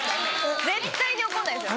絶対に怒んないですよ。